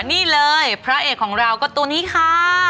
นี่เลยพระเอกของเราก็ตัวนี้ค่ะ